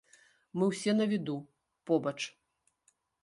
Мы ўсе на віду, побач.